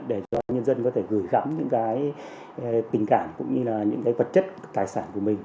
để cho nhân dân có thể gửi gắm những cái tình cảm cũng như là những cái vật chất tài sản của mình